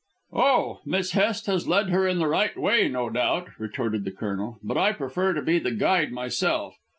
"Oh, Miss Hest has led her in the right way, no doubt," retorted the Colonel; "but I prefer to be the guide myself.